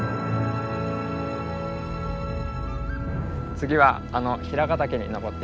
次はあの平ヶ岳に登っていきます。